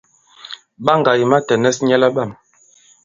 Ɓaŋgà ì matɛ̀nɛs nyɛ laɓâm.